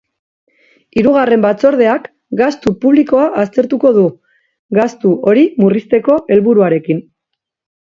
Hirugarren batzordeak gastu publikoa aztertuko du, gastu hori murrizteko helburuarekin.